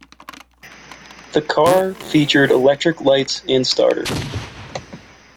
The car featured electric lights and starter.